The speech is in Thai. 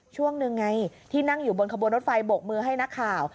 ช่วงหนึ่งไงที่นั่งอยู่บนขบวนรถไฟบกมือให้นักข่าว